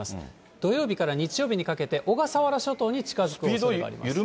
土曜日から日曜日にかけて、小笠原諸島に近づく可能性があります。